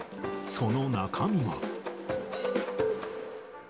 その中身は。